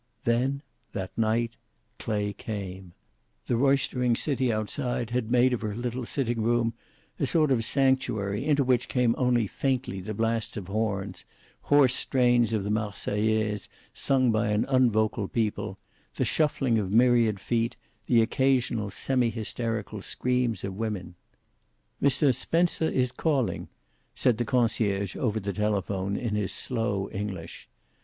Then, that night, Clay came. The roistering city outside had made of her little sitting room a sort of sanctuary, into which came only faintly the blasts of horns, hoarse strains of the "Marseillaise" sung by an un vocal people, the shuffling of myriad feet, the occasional semi hysterical screams of women. "Mr. Spencer is calling," said the concierge over the telephone, in his slow English.